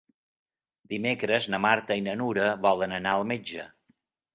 Dimecres na Marta i na Nura volen anar al metge.